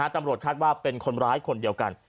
ตำรวจคาดว่าเป็นคนร้ายคนเดียวกัน